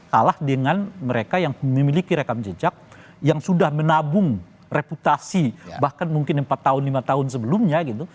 kalah dengan mereka yang memiliki rekam jejak yang sudah menabung reputasi bahkan mungkin empat tahun lima tahun sebelumnya gitu